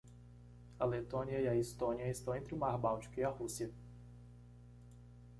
A Letônia e a Estônia estão entre o Mar Báltico e a Rússia.